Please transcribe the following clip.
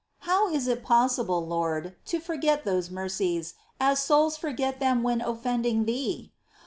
How is it possible. Lord, to forget those mercies, as souls forget them when offending Thee